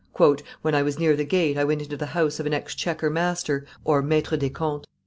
"When I was near the gate, I went into the house of an exchequer master (maitre des comptes).